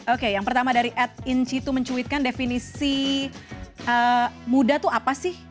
oke yang pertama dari ed inci itu mencuitkan definisi muda itu apa sih